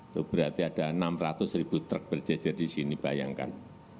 itu berarti ada enam ratus ribu truk berjajar di sini bayangkan